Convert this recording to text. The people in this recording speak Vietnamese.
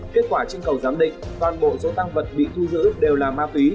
kết quả trưng cầu giám định toàn bộ số tăng vật bị thu giữ đều là ma túy